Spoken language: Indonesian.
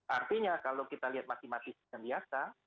artinya kalau kita lihat matematis yang biasa